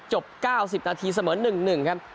จบ๙๐นาทีเสมอ๑๑ครับ